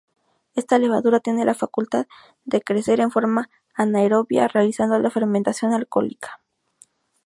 Esta levadura tiene la facultad de crecer en forma anaerobia realizando la fermentación alcohólica.